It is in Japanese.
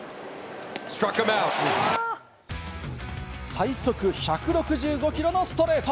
最速１６５キロのストレート。